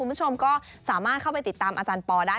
คุณผู้ชมก็สามารถเข้าไปติดตามอาจารย์ปอได้